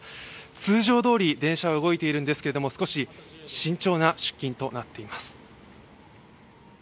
通常どおり電車は動いているんですけれども少し慎重な出勤となっています。